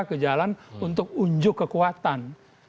ke jalan untuk unjuk kekuatan